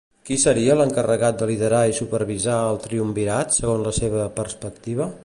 Qui seria l'encarregat de liderar i supervisar el triumvirat segons la seva perspectiva?